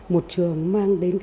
một trường mang đến